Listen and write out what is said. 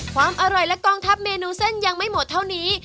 ความอร่อยและกองทัพเมนูเส้นยังไม่หมดเท่านี้